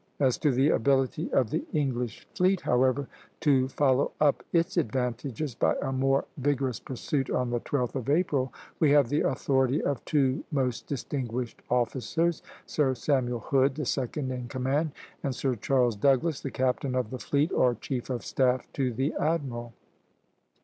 As to the ability of the English fleet, however, to follow up its advantages by a more vigorous pursuit on the 12th of April, we have the authority of two most distinguished officers, Sir Samuel Hood, the second in command, and Sir Charles Douglas, the captain of the fleet, or chief of staff to the admiral.